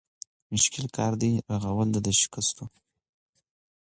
مشکل کار دی رغول د شکستو